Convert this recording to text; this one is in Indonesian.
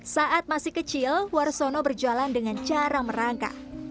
saat masih kecil warsono berjalan dengan cara merangka